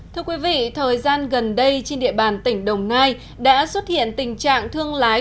thưa quý vị thời gian gần đây trên địa bàn tỉnh đồng nai đã xuất hiện tình trạng thương lái